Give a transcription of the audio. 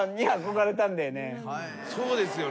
そうですよね。